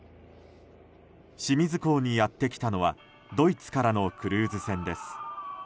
清水港にやってきたのはドイツからのクルーズ船です。